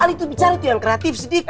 ali tuh bicara itu yang kreatif sedikit